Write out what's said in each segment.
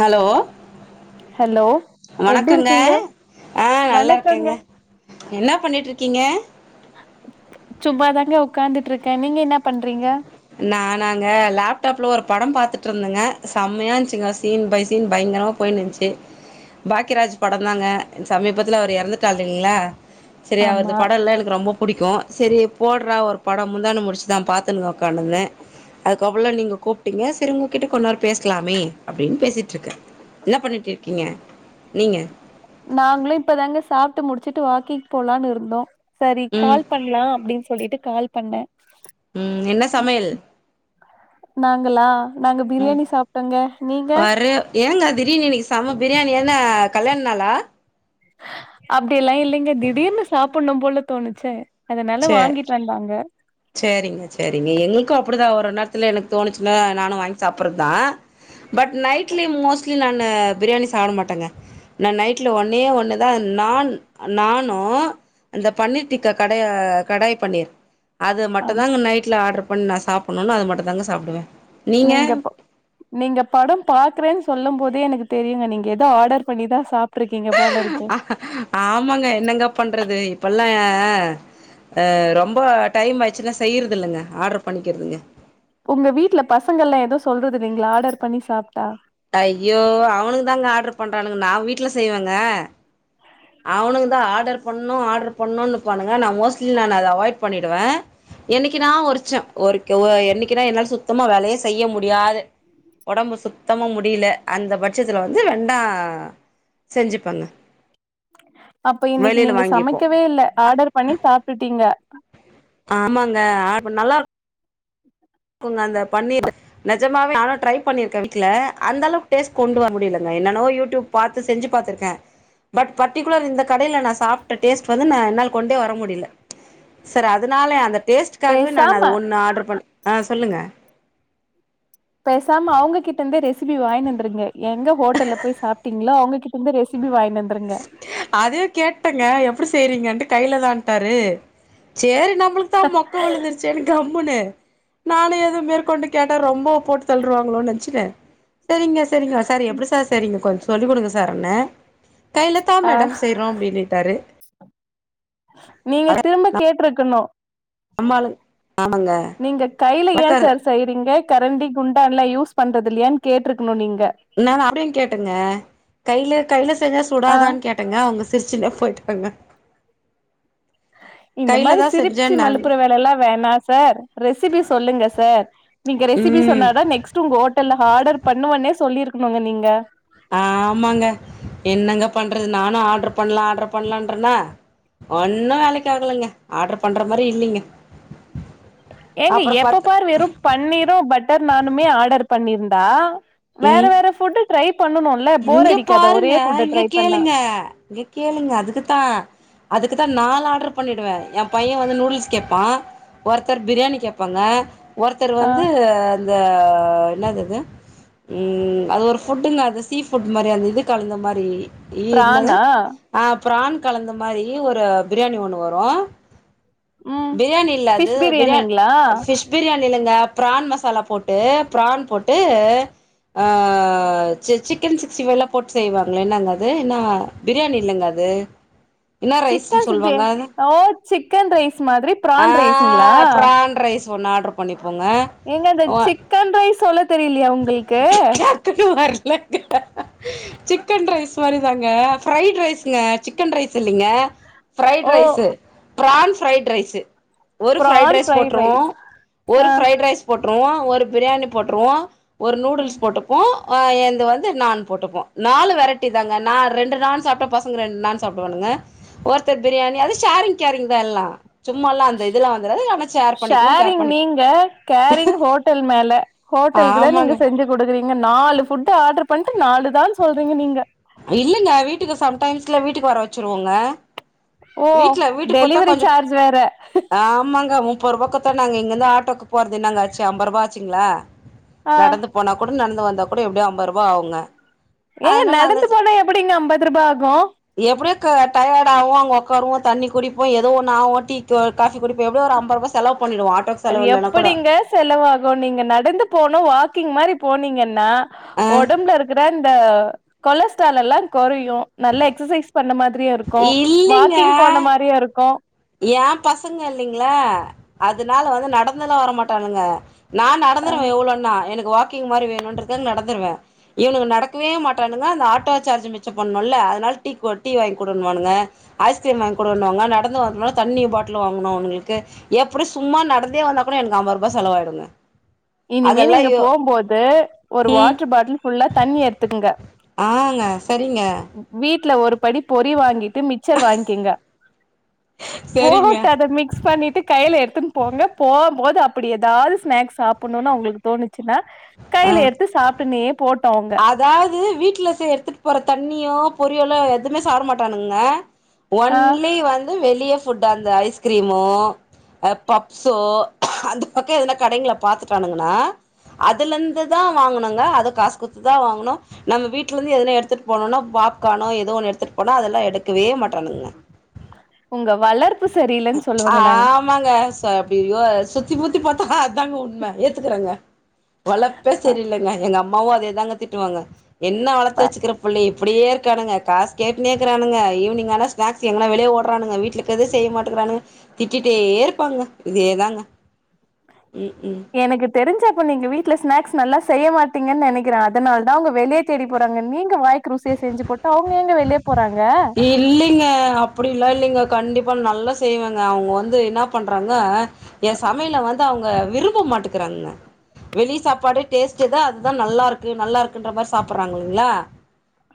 Hello hello எப்டி வணக்கங்க இருக்கீங்க ஆ வணக்கங்க நல்லார்க்கேங்க என்னா பண்ணிட்ருக்கீங்க சும்மாதாங்க உக்காந்துட்ருக்கே நீங்க இன்னா பண்றீங்க நானாங்க லேப்டாப்ல ஒரு படம் பாத்துட்ருந்தேங்க சம்யா இந்ச்சிங்க சீன் பை சீன் பய்ங்ரவாப் போய்னுன்ச்சி பாக்யராஜ் பட தாங்க இன் சமீபத்துல அவர் எறந்துட்டாள் இள்ளா சரி அவர்து ஆமா படல்லா எனக்கு ரொம்ப புடிக்கு சரி போட்றா ஒரு படம் முந்தான முடிச்சுதா பாத்துண்ங்கோம் கனந்தே அதுக்கப்புல்ல நீங்க கூப்டீங்க செறு உங்க கிட்ட கொன் நேர் பேஸ்லாமே அப்டின் பேசிட்ருக்க என்ன பண்ணிட்ருக்கீங்க நீங்க நாங்ளு இப்பதாங்க சாப்ட்டு முடிச்சிட்டு வாக்கிக் போலான் இருந்தோ சரி ம் கால் பணி ன்லா அப்டின் சொல்லிட்டு கால் பண்ணே ம் என்ன சமையல் நாங்களா நாங்க பிரியாணி சாப்ட்டோங்க நீங்க வரு ஏங்க திடீன் இன்னிக் செம பிரியாணி என்ன கல்யாண் நாளா அப்டியெல்லா இல்லிங்க திடீர்னு சாப்புண்ணும் போல தோணுச்சே அதனால வாங்கிட் வேண்டாங்க ச்சேரிங்க ச்செரிங்க எங்கள்க்கு அப்டிதா ஒரொர் நேர்த்துல எனக் தோணிச்சுல்லா நானு வாய் சாப்புற்தா பட் நைட்லி மோஸ்லி நானு பிரியாணி சாப்ட மாட்டங்க நா நைட்ல ஒன்னே ஒண்ணுதான் நான் நானு அந்த பன்னீர் டிக்கா கடய கடாய் பன்னீர் அது ஆம் மட்டுதாங்க நைட்ல ஆட்ரு பண் நா சாப்புணுன் அத மட்டு தாங்க சாப்டுவே நீங்க நீங்கப்பொ நீங்க படம் பாக்றேன் சொல்லும் போதே எனக்கு தெரியுங்க நிங்க ஏதோ ஆடர் பண்ணிதா சாப்ட்ருக்கீங்க போல இருக்கு ஆமாங்க என்னங்க பண்றது இப்பல்லா ஏஏ ஆ ரொம்ப டைம் ஆய்ச்சுன்னா செய்யிறதில்லங்க ஆர்ரு பண்ணிக்கிற்துங்க உங்க வீட்ல பசங்கள்ல்லா எதோ சொல்றுது இல்லிங்லா ஆடர் பண்ணி சாப்ட்டா டையோ அவனுங் தாங்க ஆர்டர் பண்றானுங்கு நா வீட்ல செய்வேங்க அவ்னுங் தா ஆடர் பண்ணணு ஆடர் பண்ணணுன் நிப்பானுங்க நா மோஸ்லி நா அத அவாய் பண்ணிடுவே என்னிக்கினா ஒர்ச்சோ ஒர்க்கெவோ என்னிக்கினா என்னால் சுத்தமா வேலையே செய்ய முடியாது ஒடம்பு சுத்தமா முடிலே அந்த பச்சத்துல வந்து வெண்டா செஞ்சுப்பங்க அப்ப இன்னக்கி வெளியில நீங்க வாங்கிப்போ சமைக்கவே இல்லா ஆர்டர் பண்ணி சாப்ட்டுட்டீங்க ஆமாங்க [unintelligible] நல்லாருக் உங்க அந்த பண்ணிட்டு நெஜமவே ஆனா ட்ரைப் பண்ணிருக்கே வீட்ல அந்த அளவுக்கு டேஸ்ட் கொண்டு வர முடியலங்க என்னனோ யூடூப் பாத்து செஞ்சு பாத்துருக்கே பட் பர்டிகுலர் இந்த கடைல நா சாப்ட்ட டேஸ்ட் வந்து நா என்னால் கொண்டே வர முடியல செர் அதுனால அந்த டேஸ்ட்டுகாகவே நான் பேசாம அது ஒன்னு ஆர்டர் பண் ஆ சொல்லுங்க பேசாம அவுங்ககிட்ட இருந்தே ரெசிபி வாங்னி வந்துருங்க எங்க ஹோட்டல்ல போய் சாப் டீங்ளோ அவுங்ககிட்ட இருந்து ரெசிபி வாங்ன்வந்துருங்க அதுவு கேட்டெங்க எப்டி செய்றீங்கன்ட்டு கைல தான்ட்டாரு சேரி நம்பளுக் தா மோக்க விழுந்துருச் சேனு கம்முன்னு நானு எதவு மேற்கொண்டு கேட்டா ரொம்ப போட்டு தள்ருவாங்களோன் நெனச்சுனு செரிங்க செரிங்க சார் எப்டி சார் செய்றிங்க கொஞ் சொல்லி குடுங்க சார் அப்னே கைலதா ஆ மேடம் சேய் றோ அப்டினிடாரு நீங்க திரும்ப கேட்ருக்கணு நம்மாளு ஆமாங்க நீங்க கைல ஏ வக்காரு சார் செய்றீங்க கரண்டி குண்டான்ல்லா யூஸ் பண்றது இல்லையான்னு கேட்ருக்கணு நீங்க நாங்க அப்டியு கேட்டெங்க கைல கைல செஞ்சா ஆ சுடாதான் கேட் டெங்க அவுங்க சிரிச்சின்னே போயிட்டாங்க இந்த கையில மாரி தா சிரிப்ச்சி செஞ்சேன்னாங்க மலுப்புற வேல எல்லா வேணா சார் ரெசிபி சொல்லுங்க சார் நீங்க ரெசிபி ம் சொன்னதா நெக்ஸ்ட் உங்க ஹோட்டல்ல ஆர்டர் பண்ணுவன்னே சொல்லிருக்குணுங்க நீங்க ஆமாங்க என்னங்க பண்றது நானு ஆட்ரு பண்ணலா ஆட்ரு பண்ணலான்றென்னா ஒன்னு வேலக்கி ஆகலங்க ஆட்ரு பண்ற மாரி இல்லெங்க ஏங்க எப்ப பாரு வெறு பன்னீரு பட்டர் நானுமே ஆர்டர் பண்ணிருந்தா வேற வேற ஃபுட்டு ட்ரை பண்ணணு இங்கெ பாருங்க இங்கெ கேளுங்க இங்க கேளுங்க அதுக்குத்தா அதுக்கு தா நாலு ஆட்ரு பண்ணிடுவே எ பையெ வந்து நூடுல்ஸ் கேப்பா ஒருத்தர் பிரியாணி கேப்பாங்க ஒருத்தர் ஆ வந்து அந்த என்னாது அது ம் அது ஒரு ஃபுட்டுங்க அது சீ ஃபுட் மாரி அந்த இது கலந்த மாரி ஏ என்னது பிரானா அ ப்ரான் கலந்த மாரி ஒரு பிரியாணி ஒன்னு வரு ம் பிரியாணி இல்ல அது ஃபிஷ் பிரியான் பிரியாணிங்களா அ ஃபிஷ் பிரியாணி இல்லங்க பிரான் மசாலா போட்டு பிரான் போட்டு ஆ சி சிக் க்கன் சிக்ஸ்டி ஃபைவ்லா போட்டு செய்வாங்ளே என்னங்க அது என்னா பிரியாணி இல்லங்க அது என்ன ரைஸுன் சிக்கன் சிக்ஸ்டி சொல்லுவாங்க அத ஓ சிக்கன் ரைஸ் மாதிரி பிரான் ரைஸுங்களா ஆ பிரான் ரைஸ் ஒன்னு ஆட்ரு பண்ணிப்போங்க ஏங்க இந்த ஒ சிக்கன் ரைஸ் சொல்ல தெரியலயா உங்களுக்கு [unintelligible] சிக்கன் ரைஸ் மாரி தாங்க ஃரைட் ரைஸுங்க சிக்கன் ரைஸ் இல்லெங்கெ ஃப்ரைட் ஓ ரைஸ்ஸு பிரான் ஃப்ரைட் ரைஸ்ஸு ஒரு ஃப்ரைட் பிரான் ரைஸ் போட்ருவோ ரைஸ் ஒரு ஆ ஃப்ரைட் ரைஸ் போட்ருவோ ஒரு பிரியாணி போட்ருவோ ஒரு நூடுல்ஸ் போட்டுப்போ அ என்து வந் இந்த நான் போட்டுப்போ நாலு வெரைட்டி தாங்கா நா ரெண்டு நான் சாப்டா பசங்க ரெண்டு நான் சாப்புடுவானுங்க ஒருத்தர் பிரியாணி அது ஷேரிங் கேரிங் தா எல்லா சும்மால்லா அந்த இதெல்லா வந்துராது ஆனா ஷேர் பண்ணிக்குவோ கேர் ஷேரிங் பண்ணி நீங்க கேரிங் ஹோட்டல் மேல ஹோட்டலுக்கு தா நீங்க ஆமாங்க செஞ்சு குடுக்குறீங்க நாலு ஃபுட்டு ஆர்டர் பண்ணிட்டு நாலு தான் சொல்றீங்க நீங்க இல்லங்க வீட்டுக்கு சம்டைம்ல வீட்டுக்கு வர வச்சுருவோங்க ஓ வீட்ல வீட்டுக்கு குத்தா டெலிவரி கொஞ்சோ சார்ஜ் வேற ஆமாங்க முப்பது ரூபாக்குத்தா நாங்க இங்கெருந்து ஆட்டோக்கு போறது என்னங்க ஆச்சு அம்ப ரூபா ஆச்சுங்களா ஆ நடந்து போனா கூட நடந்து வந்தா கூட எப்டியோ அம்பது ரூபா ஆகுங்க ஏங்க அதனால நடந்து போன எப்டிங்க அம்பது ரூபா ஆகு எப்டியே க்கு டயர்ட் ஆகுவோ அங் ஒக் ஒக்காருவோ தண்ணி குடிப்போ எதோ ஒன்னு ஆவோ டீ க்கு காபி குடிப்போ எப்டியோ ஒரு அம்ப ரூபா செலவு பண்ணிடுவோ அட் அது எப்படிங்க ஸ் செலவாகு நீங்க நடந்து போனு வாக்கிங் மாரி போனீங்கனா ஆ ஒடம்புல இருக்கற இந்த கொலஸ்ட்ரால் எல்லா கொறையு நல்ல எக்சசைஸ் பண்ண மாதிரியு இருக்கு வாக்கிங் போன மாரியு இருக்கு ஏ பசங்க இல்லீங்களா அதனால வந்து நடந்தெல்லா வரமாட்டானுங்க நா நடந்துடுவே எவ்ளோனா எனக்கு வாக்கிங் மாரி வேணு ன்றதுக்காக நடந்துடுவே இவனுங்க நடக்கவே மாட்டானுங்க அந்த ஆட்டோ சார்ஜ் மிச்ச பண்ணணுல்ல அதனால டீ கு டீ வாங்கி குடுனுவானுங்க ஐஸ்கிரீம் வாங்கி குடுணுவானுங்க நடந்து வரனுமுனா தண்ணி பாட்டில் வாங்கணு அவுனுங்களுக்கு எப்டியு சும்மா நடந்தே வந்தா கூட எனக்கு அம்பது ரூபா செலவாயிடுங்க இனிமே அதெல்லாம் நீங்க யோ போம்போது ஒரு ம் வாட்டர் பாட்டில் ஃபுல்லா தண்ணி எடுத்துக்குங்க ஆ ங்க செரிங்க வீட்ல ஒரு படி பொரி வாங்கிட்டு மிக்சர் வாங்கிங்க சரிங்க. போகோட்ட அத மிக்ஸ் பண்ணிட்டு கைல எடுத்துனு போங்க போம்போது அப்டி எதாது ஸ்நாக்ஸ் சாப் புனுனு அவுங்களுக்கு தோணுச்சுன்னா ஆ. கைல எடுத்து சாப்புட்னே போட்டு அவுங் அதாவது வீட்ல செய் எடுத்துட்டு போற தண்ணியோ பொரியலோ எதுமே சாப்ட மாட்டானுங்க ஆ ஒன்லி வந்து வெளிய ஃபுட் அந்த ஐஸ்கிரீமோ அ பப்சோ அந்த பக்க எதனா கடைங்கள பாத்துட்டானுங்கனா அதுல இருந்து தா வாங்கனுங்க அதும் காசு குடுத்து தா வாங்கனு நம்ம வீட்ல இருந்து எதுனா எடுத்துட்டு போனோனா பாப்கானோ எதோ ஒன்னு எடுத்துட்டு போனா அதெல்லா எடுக்கவே மாட்றானுங்க உங்க வளர்ப்பு சரியில்லன்னு சொல்லுவங்க நா ஆமாங்க ச அப்டி யோ அ சுத்தி முத்தி பாத்தா அதாங்க உண்ம ஏத்துக்கிறேங்க வளர்ப்பே செரியில்லைங்க எங்க அம்மாவு அதேதாங்க திட்டுவாங்க என்ன அப்ப வளத்து வச்சுக்கிற பிள்ளைய இப்டியே இருக்கானுங்க காசு கேட்டினேகிறானுங்க ஈவினிங்கான ஸ்நாக்ஸ் எங்கன்னா வெளிய ஓடுறானுங்க வீட்லக்கிதே செய்ய மாட்டுகிறானுங்க திட்டிட்டே இருப்பாங்க இதேதாங்க ம் ம் எனக்கு தெரிஞ்சு அப்ப நீங்க வீட்ல ஸ்நாக்ஸ் நல்லா செய்ய மாட்டீங்கன்னு நெனைக்கிறே அதனால தா அவுங்க வெளிய தேடி போறாங்க நீங்க வாய் க்கு ருசியா செஞ்சு போட்ட அவுங்க ஏங்க வெளிய போறாங்க இல்லீங்க அப்டிலா இல்லீங்க கண்டிப்பாக நா நல்லா செய்வேங்க அவுங்க வந்து என்ன பண்றாங்க எ சமையல வந்து அவுங்க விரும்ப மாட்டுங்குறாங்கங்க வெளி சாப்பாடு டேஸ்ட்டுதா அதுதா நல்லா இருக்கு நல்லா இருக்குன்ற மாரி சாப்பிடுறானுங்களா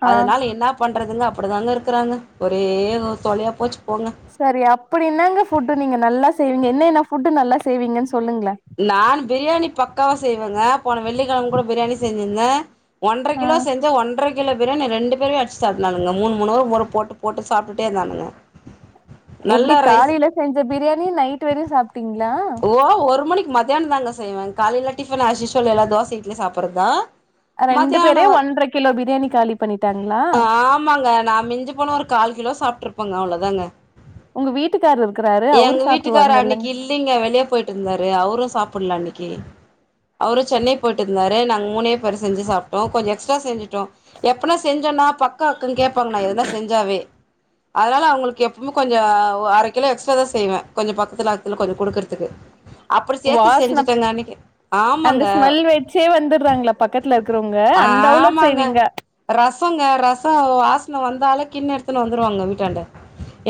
ஆ அதனால என்ன பண்றதுங்க அப்டிதாங்க இருக்குறாங்க ஒரே தொ தொல்லயா போச்சு போங்க செரி அப்டி என்னாங்க ஃபுட்டு நீங்க நல்லா செய்வீங்க என்ன என்ன ஃபுட்டு நல்லா செய்வீங்கன்னு சொல்லுங்ளே நான் பிரியாணி பக்காவா செய்வேங்க போன வெள்ளிக்கெழம கூட பிரியாணி செஞ்சிருந்தே ஒன்ற ஆ கிலோ செஞ்ச ஒன்ற கிலோ பிரியாணி ரெண்டு பேருமே அச்சு சாப்டனுங்க மூணு மூணு முற போட்டு போட்டு சாப்டுட்டே இருதானுங்க எப்டி காலையில செஞ்ச பிரியாணி நைட் வரையு சாப்பிட்டீங்களா ஓ ஒரு மணிக்கு மத்தியான தாங்க செய்வே காலையில டிஃபன் ஆஸ்யூசுவல் எல்லா தோச இட்லி சாப்பறதா ரெண்டு பேரே மத்தியான ஒன்ற கிலோ பிரியாணி காலி பண்ணிட்டாங்ளா ஆ ஆமாங்க நா மிஞ்சு போன ஒரு கால் கிலோ சாப்பிட்டுருப்பங்க அவ்ளோதாங்க உங்க வீட்டுக்கார்ரு இருக்கறாரு அவரு சாப்பிடுவாங்கல்ல இல்லின்ங்க வெளிய போயிட்டுருந்தாரு அவரு சாப்டல அன்னைக்கு அவரு சென்னை போயிட்டு இருந்தாரு நாங்க மூணே பேரு செஞ்சு சாப்ட்டோ கொஞ்ச எக்ஸ்ட்ரா செஞ்சு டோ எப்பனா செஞ்சோன்னா பக்க அக்க கேப்பாங்க நா எதனா செஞ்சாவே அதனால அவங்களுக்கு எப்வுமே கொஞ்ச அரை கிலோ எக்ஸ்ட்ரா தா செய்வே கொஞ்ச பக்கத்துல தில கொஞ்ச குடுக்குறதுக்கு வாசன அந்த ஆமாங்க ஸ்மெல் வச்சே வந்துடுறாங்களா பக் கத்துல இருக்கிறவங்க அந்த அவுளக் ஆமாங்க செய்வீங்க ரசங்க ரச வாசன வந்தாலே கிண்ண எடுத்துன்னு வந்துருவாங்க வீட்டாண்ட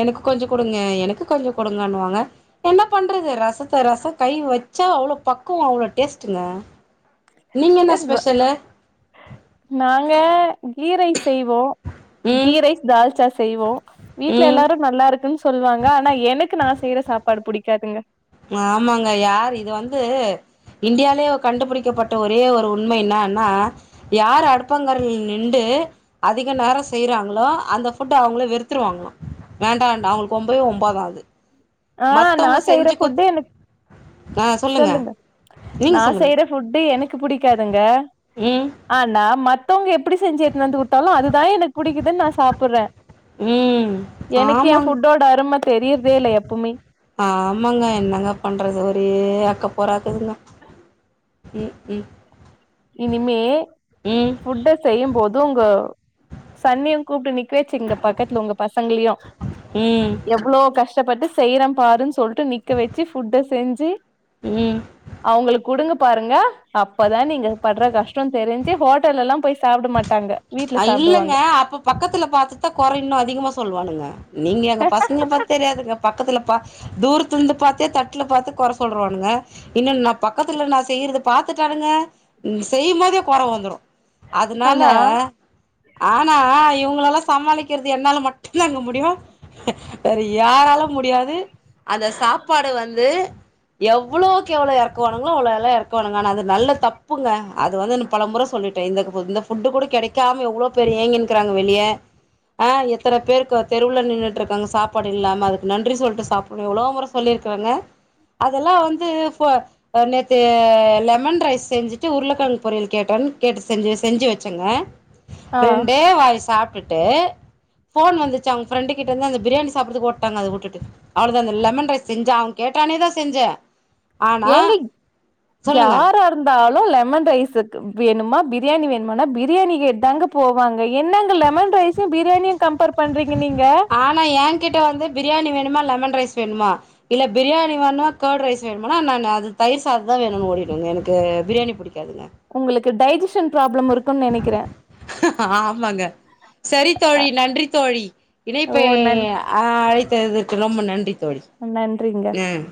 எனக்கு கொஞ்ச குடுங்க எனக்கு கொஞ்ச குடுங்கன்னுவாங்க என்ன பண்றது ரசத்த ரச கை வச்சா அவ்ளோ பக்குவோ அவ்ளோ டேஸ்ட்டுங்க நீங்க என்ன எர்ர ஸ்பெஷலு நாங்க கீ ரைஸ் செய்வோ ம் கீரைஸ் தால்சா செய்வோ வீட்ல ம் எல்லாரு நல்லா இருக்குன்னு சொல்லுவாங்க அனா எனக்கு நா செய்யற சாப்பாடு புடிக்காதுங்க ஆமாங்க யார் இது வந்து இந்தியாலயே கண்டுபுடிக்கப்பட்ட ஒரே ஒரு உண்ம என்னன்னா யார் அடுப்பாங்கரைல்ல நின்டு அதிக நேரோ செய்றாங்களோ அந்த ஃபுட் அவங்களே வெறுத்துருவாங்கள வேண்டாடா அவங்களுக்கு ஒம்பவே ஒம்பாதா அது ஆ நா மத்தவங்க செய்யற செஞ்சு குத் ஃபுட்டு எனக் சொல்லுங்க நீங்க நா சொல்லுங்க செய்ற ஃபுட்டு எனக்கு புடிக்காதுங்க ம் ஆனா மத்தவங்க எப்படி செஞ்சு எத்துன்னு வந்துக்குத்தாலு அதுதா எனக்கு பிடிக்குதுன்னு நா சாப்பாற ம் எனக்கு என் ஆமாங் ஃபுட்டோட அரும தெரியறதே இல்ல எப்பவுமே ஆமாங்க என்னங்க பண்றது ஒரே அக்க போறாக்குதுங்க ம் ம் இனிமே ம் ஃபுட்ட செய்யும் போது உங்க சன்னியு கூப்பிட்டு நிக்க வேச்சிங்க பக்கத்துல உங்க பசங்களையு ம் எவ்ளோ கஷ்டப்பட்டு செய்யற பாருன்னு சொல்லிட்டு நிக்க வச்சு ஃபுட்ட செஞ்சு ம் அவங்களுக்கு குடுங்க பாருங்க அப்பதா நீங்க பட்ற கஷ்டம் தெரிஞ்சு ஹோட்டல்ல எல்லா போய் சாப்ட மாட்டாங்க வீட்ல அ இல்லைங்க சாப்டுவாங்க அப்ப பக்கத்துல பார்த்ததா குறை இன்னு அதிகமா சொல்லுவானுங்க நீங்க எங்க பசங்க பத் தெரியாதுங்க பக்கத்துல பா தூரத்துலருந்து பாத்தே தட்டுல பாத்து குறை சொல்றவனுங்க இன்னு நா பக்கத்துல நா செய்யறது பாத்துட்டானுங்க செய்யு போதே கொர வந்துடு அதுனால ஆனா ஆனா இவுங்களல்லா சமாளிக்கிறது என்னால மட்டுந்தாங்க முடியு வேற யாராலும் முடியாது அந்த சாப்பாடு வந்து எவ்வளோக்கு எவ்வளோ எறக்குவானுங்களோ அவ்ளோ எல்லா எறக்குவானுங்க நல்ல தப்புங்க அது வந்து பல முறை சொல்லிட் ட்ட இந்த இப்ப இந்த ஃபுட்டு கூட கெடைக்காம எவ்ளோ பேர் ஏங்கினுக்றாங்க வெளிய ஆ எத்தன பேருக்கு தெருவுல நின்னுட்ருக்காங்க சாப்பாடு இல்லாம அதுக்கு நன்றி சொல்ட்டு சாப்புணு எவ்வளோ முற சொல்லிருக்கிறங்க அதெல்லா வந்து ஃபோ அ நேத்து லெமன் ரைஸ் செஞ்சுட்டு உருளைக்கெழங்கு பொரியல் கேட்டோன கேட்டு செஞ்சு வச்சங்க ஆ ரெண்டே வாய் சாப்ட்டுட்டு ஃபோன் வந்துச்சு அவுங்க ஃப்ரெண்டுக்கிட்டருந்து அந்த பிரியாணி சாப்புறதுக்கு ஓட்டாங்க அத வுட்டுட்டு அவ்ளதா இந்த லெமன் ரைஸ் செஞ்சா அவ கேட்டானே தா செஞ்ச ஏங்க இப் சொல்லுங்க யாரா இருந்தாலு லெமன் ரைஸ்க்கு வேணுமா பிரியாணி வேணுமானா பிரியாணி கேட்டுதாங்க போ போவாங்க என்னங்க லெமன் ரைஸும் பிரியாணியும் கம்பேர் பண்றீங்க நீங்க ஆனா ஏன்கிட்ட வந்து பிரியாணி வேணுமா லெமன் ரைஸ் வேணுமா இல்ல பிரியாணி வேணுமா கர்ட் ரைஸ் வேணுமானா நானு அது தயிர் சாதந்தா வேணுனு ஓடிடுவங்க எனக்கு பிரியாணி புடிக்காதுங்க உங்குளுக்கு டைஜிஷன் ப்ராப்ளம் இருக்கும்ன்னு நெனைக்கிறே ஆமாங்க சரி தோழி நன்றி தோழி இனைப்பை ஓ நன் ஆ அழைத்ததற்க்கு ரொம்ப நன்றி தோழி நன்றிங்க ம்